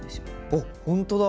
あほんとだ！